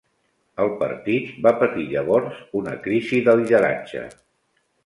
El partit va patir llavors una crisi de lideratge.